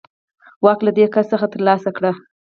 واک له دې کس څخه ترلاسه کړ.